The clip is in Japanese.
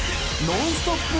「ノンストップ！」。